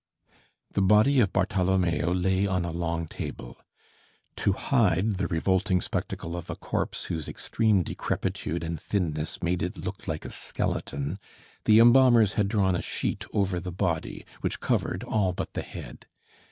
The body of Bartholomeo lay on a long table. To hide the revolting spectacle of a corpse whose extreme decrepitude and thinness made it look like a skeleton, the embalmers had drawn a sheet over the body, which covered all but the head.